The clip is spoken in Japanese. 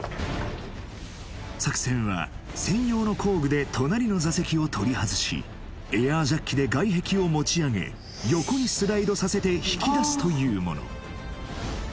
作戦は専用の工具で隣の座席を取り外しエアジャッキで外壁を持ち上げ横にスライドさせて引き出すというもの